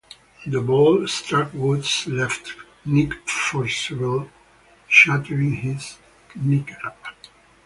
The ball struck Wood's left knee forcibly, shattering his kneecap.